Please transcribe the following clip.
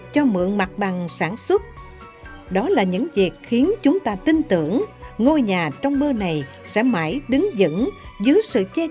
chúng ta cùng chúc cho ngôi nhà tranh giấy xóng alix